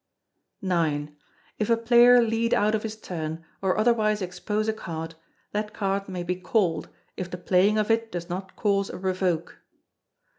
ix. If a player lead out of his turn, or otherwise expose a card, that card may be called, if the playing of it does not cause a revoke.